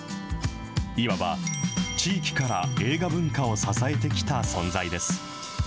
いわば、地域から映画文化を支えてきた存在です。